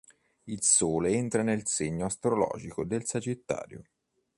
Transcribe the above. Il Sole entra nel segno astrologico del Sagittario.